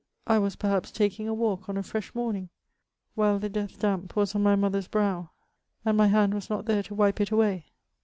I was perhaps taking a walk on a fresh morning, while the death damp was on my mother's brow, and my hand was not there to wipe it away